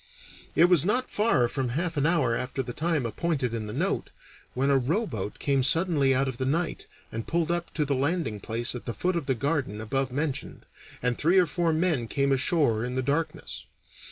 It was not far from half an hour after the time appointed in the note, when a rowboat came suddenly out of the night and pulled up to the landing place at the foot of the garden above mentioned, and three or four men came ashore in the darkness.